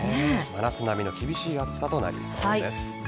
真夏並みの厳しい暑さとなりそうです。